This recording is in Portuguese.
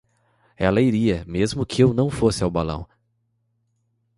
Ela iria mesmo que eu não fosse ao balão.